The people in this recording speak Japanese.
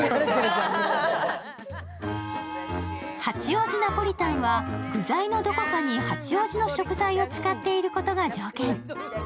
八王子ナポリタンは具材のどこかに八王子の食材を使っていることが条件。